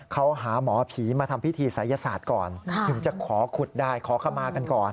เขาหาหมอผีมาทำพิธีศัยศาสตร์ก่อนถึงจะขอขุดได้ขอขมากันก่อน